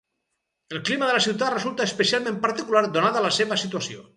El clima de la ciutat resulta especialment particular donada la seva situació.